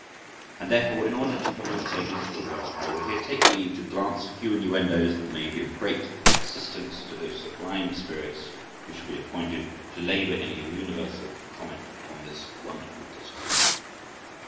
And therefore, in order to promote so useful a work, I will here take leave to glance a few innuendos that may be of great assistance to those sublime spirits who shall be appointed to labour in a universal comment upon this wonderful discourse.